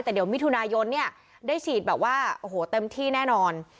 แต่เดี๋ยวมิถุนายนเนี่ยได้ฉีดแบบว่าโอ้โหเต็มที่แน่นอน